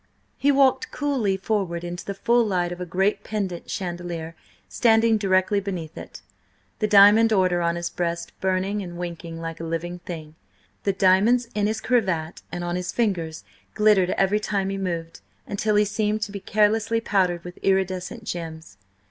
He walked coolly forward into the full light of a great pendant chandelier, standing directly beneath it, the diamond order on his breast burning and winking like a living thing. The diamonds in his cravat and on his fingers glittered every time he moved, until he seemed to be carelessly powdered with iridescent gems.